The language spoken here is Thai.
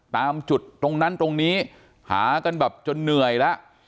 ตามจุดตรงนั้นตรงนี้หากันแบบจนเหนื่อยแล้ว